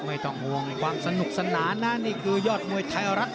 ไม่ต้องห่วงความสนุกสนานนะนี่คือยอดมวยไทยรัฐ